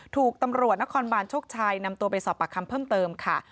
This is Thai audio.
ถูกตำรวจนครบานโชคชัยนำตัวไปสอบปากคำเพิ่มเติมค่ะ